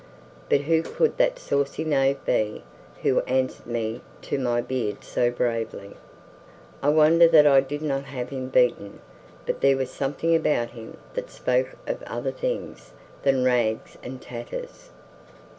But who could that saucy knave be who answered me to my beard so bravely? I wonder that I did not have him beaten; but there was something about him that spoke of other things than rags and tatters."